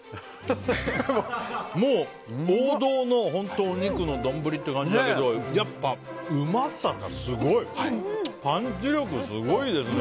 もう王道のお肉の丼という感じだけどやっぱり、うまさがすごい！パンチ力、すごいですね。